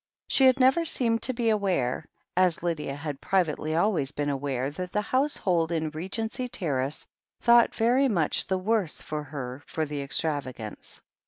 She had never seemed to be aware, as Lydia had privately always been aware, that the household in Regency Terrace thought very much the worse of her for the extravagance.